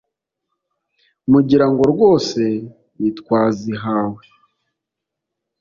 mugira ngo rwose ntitwazihawe